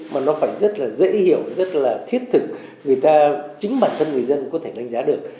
mà nó phải rất là dễ hiểu rất là thiết thực người ta chính bản thân người dân có thể đánh giá được